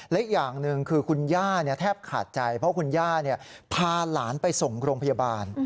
และอีกอย่างหนึ่งคือคุณย่าแทบขาดใจเพราะคุณย่าพาหลานไปส่งโรงพยาบาล